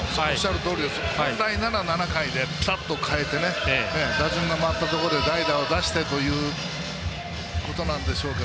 本来なら７回でぴたっと代えて打順が回ったところで代打を出してというところなんでしょうが。